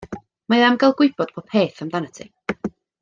Mae o am gael gwybod popeth amdanat ti.